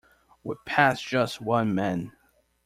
We passed just one man.